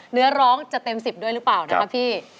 เนื้อร้องจะเต็ม๑๐ด้วยหรือเปล่านะคะพี่